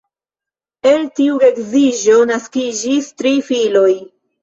El tiu geedziĝo naskiĝis tri filoj.